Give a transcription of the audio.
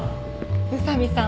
宇佐見さん